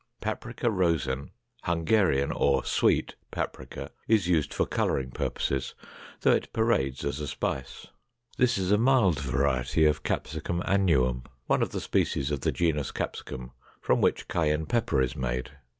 Paprica rosen, Hungarian, or sweet paprika, is used for coloring purposes, though it parades as a spice. This is a mild variety of Capsicum annuum, one of the species of the genus Capsicum, from which cayenne pepper is made.